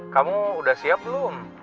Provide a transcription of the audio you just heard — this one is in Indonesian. kamu udah siap belum